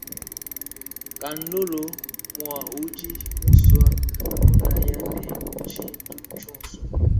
Kandolo mwa udi muswa kunaya ne tshintu tshionso.